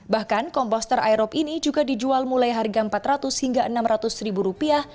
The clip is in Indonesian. bahkan komposter aerob ini juga dijual mulai harga empat ratus hingga enam ratus ribu rupiah